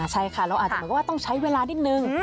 ใช่ค่ะเราอาจจะเหมือนกับว่าต้องใช้เวลานิดนึง